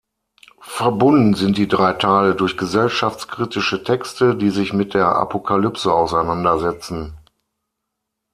Verbunden sind die drei Teile durch gesellschaftskritische Texte, die sich mit der Apokalypse auseinandersetzen.